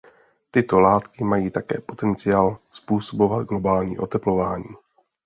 Tyto látky mají také potenciál způsobovat globální oteplování.